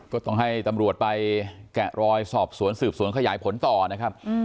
ก็ต้องให้ตำรวจไปแกะรอยสอบสวนสืบสวนขยายผลต่อนะครับ